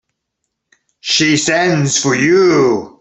She sends for you.